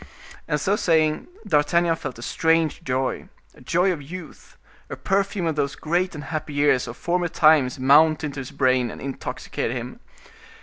And so saying, D'Artagnan felt a strange joy, a joy of youth, a perfume of those great and happy years of former times mount into his brain and intoxicate him.